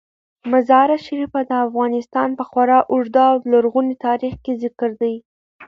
مزارشریف د افغانستان په خورا اوږده او لرغوني تاریخ کې ذکر دی.